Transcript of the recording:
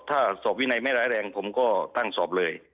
ถ้าสอบวินัยไม่ร้ายแรงผมก็ตั้งสอบเลย